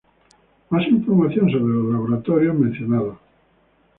Más información sobre los laboratorios mencionados.